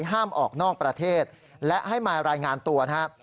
ห้ามออกนอกประเทศและให้มารายงานตัวนะครับ